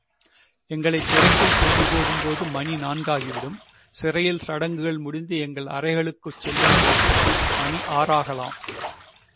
எங்களைச் சிறைக்குள் கொண்டு போகும்போது மணி நான்காகிவிடும் சிறையில் சடங்குகள் முடிந்து எங்கள் அறைகளுக்குச் செல்லும்போது மணி ஆறாகலாம்.